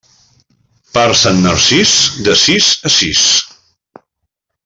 Per Sant Narcís, de sis a sis.